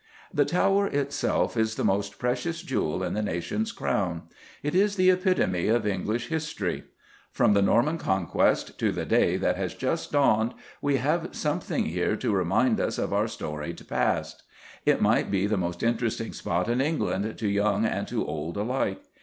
The Tower itself is the most precious jewel in the nation's Crown. It is the epitome of English history. From the Norman Conquest to the day that has just dawned we have something here to remind us of our storied past. It might be the most interesting spot in England to young and to old alike.